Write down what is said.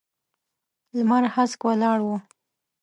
لمر هسک ولاړ و.